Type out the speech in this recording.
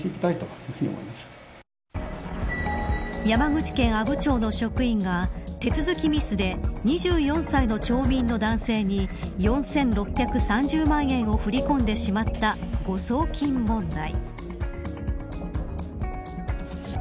山口県阿武町の職員が手続きミスで２４歳の町民の男性に４６３０万円を振り込んでしまった誤送金問題。